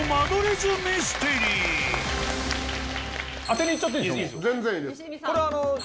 当てにいっちゃっていいですか？